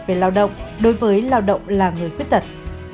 về lao động đối với lao động là người khuyết tật